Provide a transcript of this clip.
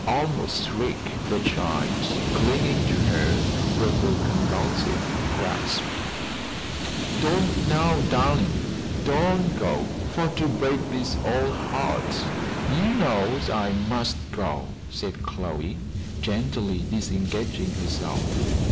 almost shrieked the child, clinging to her with a convulsive grasp. "Don't now, darlin'! don't go for to break dis ole heart! You knows I must go," said Chloe, gently disengaging herself.